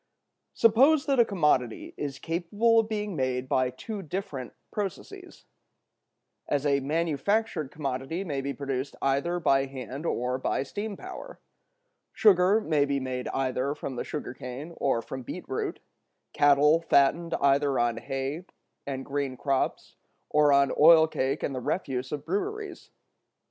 Suppose that a commodity is capable of being made by two different processes—as a manufactured commodity may be produced either by hand or by steam power—sugar may be made either from the sugar cane or from beet root, cattle fattened either on hay and green crops or on oil cake and the refuse of breweries.